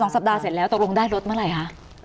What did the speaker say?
สัปดาห์เสร็จแล้วตกลงได้รถเมื่อไหร่คะ